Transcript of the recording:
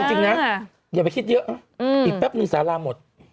จริงนะอย่าไปคิดเยอะนะอีกแป๊บนึงสาราหมด